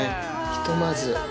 ひとまず。